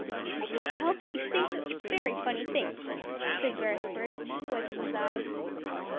"I can't help it; you say such very funny things," said Beresford, wiping his eyes.